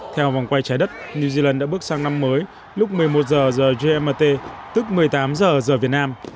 theo vòng quay trái đất new zealand đã bước sang năm mới lúc một mươi một h giờ gmt tức một mươi tám h giờ việt nam